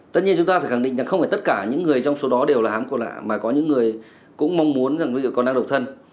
tất nhiên chúng ta phải khẳng định rằng không phải tất cả những người trong số đó đều là hán cô lạ mà có những người cũng mong muốn rằng ví dụ con đang độc thân